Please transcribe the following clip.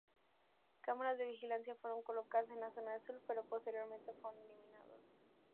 Cámaras de vigilancia fueron colocadas en la zona de surf pero posteriormente fueron eliminados.